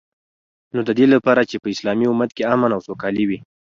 نو ددی لپاره چی په اسلامی امت کی امن او سوکالی وی